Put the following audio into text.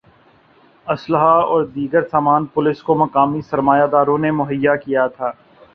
ہ اسلحہ اور دیگر سامان پولیس کو مقامی سرمایہ داروں نے مہیا کیا تھا